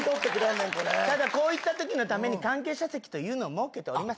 ただこういったときのために、関係者席というのを設けております。